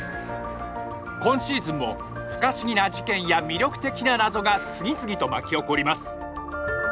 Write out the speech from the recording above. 今シーズンも不可思議な事件や魅力的な謎が次々と巻き起こります